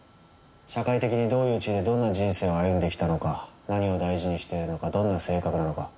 社会的にどういう地位でどんな人生を歩んできたのか何を大事にしているのかどんな性格なのか。